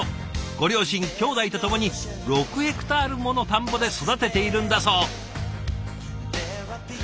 ご両親きょうだいと共に６ヘクタールもの田んぼで育てているんだそう。